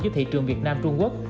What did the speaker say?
với thị trường việt nam trung quốc